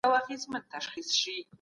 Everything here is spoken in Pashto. د غريبانو سره غمرازي وکړئ.